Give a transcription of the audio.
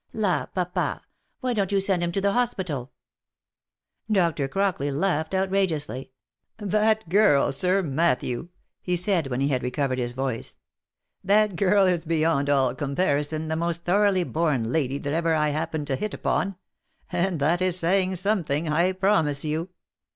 u La Papa! why don't you send him to the hospital?" Doctor Crockley laughed outrageously. " That girl, Sir Mat thew," he said, when he had recovered his voice, " that girl is be yond all comparison the most thoroughly born lady that ever I happened to hit upon — and that is saying something, I promise you.